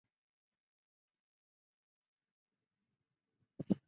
玩家必须在新大陆与一些开拓者建立殖民地与其他来自欧洲的对手竞争。